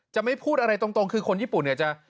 จะไม่พูดอะไรตรงคือคนญี่ปุ่นเนี่ยจะ